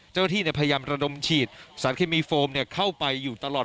เจ้าหน้าที่พยายามระดมฉีดสารเคมีโฟมเข้าไปอยู่ตลอด